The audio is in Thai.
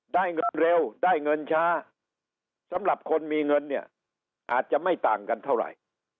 ได้เงินเร็วได้เงินช้าสำหรับคนมีเงินเนี่ยอาจจะไม่ต่างกันเท่าไหร่